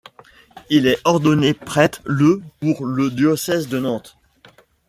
Il est ordonné prêtre le pour le diocèse de Nantes.